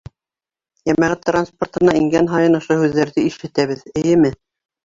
Йәмәғәт транспортына ингән һайын ошо һүҙҙәрҙе ишетәбеҙ, эйеме?